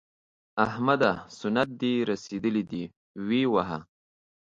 احمده! سنت دې رسېدلي دي؛ ویې وهه.